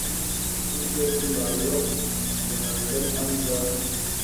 Ìbɛlə mə lɔ̀k mə alɛn â nzàl.